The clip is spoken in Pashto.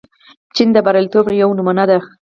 چین د بریالیتوب یوه نمونه ده.